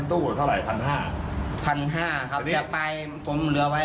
ทุกครั้งมันกิน๑๕บาทหรือ๒๐บาท